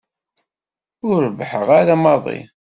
Ur rebbḥeɣ ara maḍi.